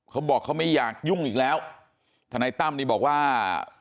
เขาบอกเขาไม่อยากยุ่งอีกแล้วทนายตั้มนี่บอกว่า